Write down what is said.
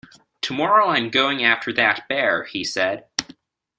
Tomorrow I'm going after that bear, he said.